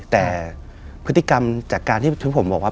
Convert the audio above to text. แต่พฤติกรรมจากการที่ผมบอกว่า